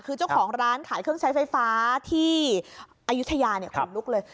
คือเจ้าของร้านขายเครื่องใช้ไฟฟ้าที่อายุทยาขนลุกเลย